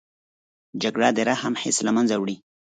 جګړه د رحم حس له منځه وړي